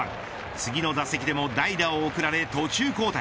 次の打席でも代打を送られ途中交代。